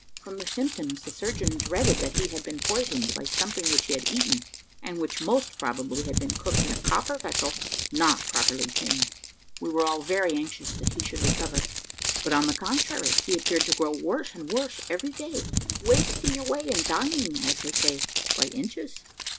From the symptoms, the surgeon dreaded that he had been poisoned by something which he had eaten, and which most probably had been cooked in a copper vessel not properly tinned. We were all very anxious that he should recover; but, on the contrary, he appeared to grow worse and worse every day, wasting away, and dying, as they say, by inches.